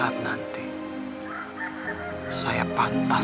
kita pasti akan belajar